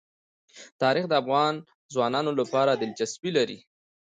تاریخ د افغان ځوانانو لپاره دلچسپي لري.